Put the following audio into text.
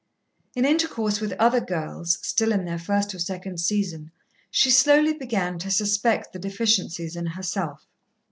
In intercourse with other girls, still in their first or second season, she slowly began to suspect the deficiencies in herself.